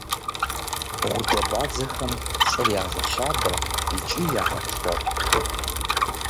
Гъудэбадзэхэм щӀыр ягъэщабэ икӏи ягъэпшэр.